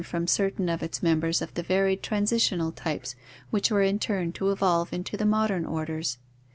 from certain of its mem bers of the varied transitional types which were in turn to evolve into the modem orders.